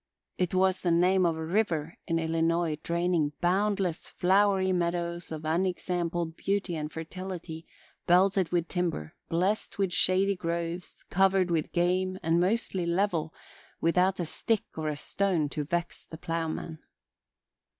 It was the name of a river in Illinois draining "boundless, flowery meadows of unexampled beauty and fertility, belted with timber, blessed with shady groves, covered with game and mostly level, without a stick or a stone to vex the plowman."